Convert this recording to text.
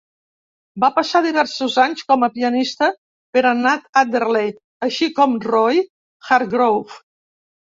Va passar diversos anys com a pianista per a Nat Adderley, així com Roy Hargrove.